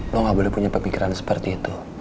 lo gak boleh punya pemikiran seperti itu